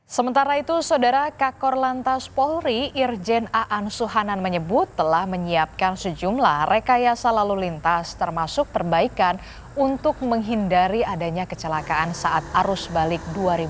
sementara itu saudara kakor lantas polri irjen aan suhanan menyebut telah menyiapkan sejumlah rekayasa lalu lintas termasuk perbaikan untuk menghindari adanya kecelakaan saat arus balik dua ribu dua puluh